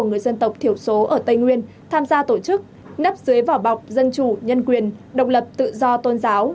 người dân tộc thiểu số ở tây nguyên tham gia tổ chức nắp dưới vỏ bọc dân chủ nhân quyền độc lập tự do tôn giáo